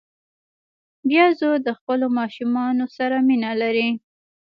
بیزو د خپلو ماشومانو سره مینه لري.